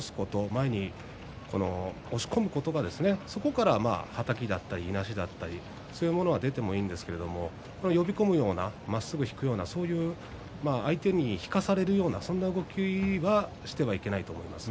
前に押し込むことがそこから、はたきだったりいなしだったりそういうものが出てもいいんですけど呼び込むようなまっすぐ引くような相手に引かせるような動きはしてはいけないと思います。